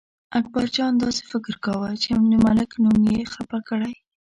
اکبرجان داسې فکر کاوه چې د ملک نوم یې خپه کړی.